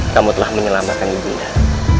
kamu telah menyelamatkan ibu indah